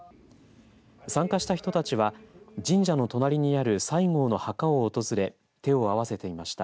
参加した人たちは神社の隣にある西郷の墓を訪れ手を合わせていました。